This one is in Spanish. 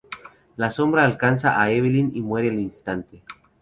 La sombra alcanza a Evelyn que muere al instante.